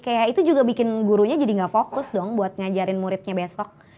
kayak itu juga bikin gurunya jadi gak fokus dong buat ngajarin muridnya besok